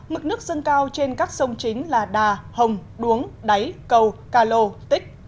mực nước dâng cao trên các sông chính là đà hồng đuống đáy cầu cà lô tích